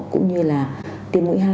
cũng như là tiêm mũi hai